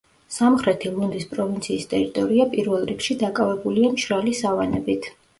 სამხრეთი ლუნდის პროვინციის ტერიტორია პირველ რიგში დაკავებულია მშრალი სავანებით.